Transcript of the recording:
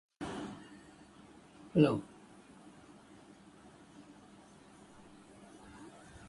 It also accentuates the horse's strong neck and full-length dorsal stripe.